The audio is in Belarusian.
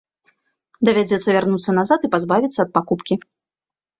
Давядзецца вярнуцца назад і пазбавіцца ад пакупкі.